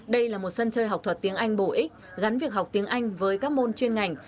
đây là một sân chơi học thuật tiếng anh bổ ích gắn việc học tiếng anh với các môn chuyên ngành